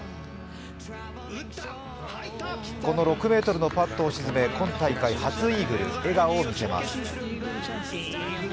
この６ｍのパットを沈め今大会初イーグル笑顔を見せます。